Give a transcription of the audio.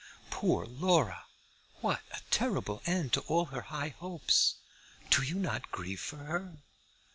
Poor Laura! What a terrible end to all her high hopes! Do you not grieve for her?"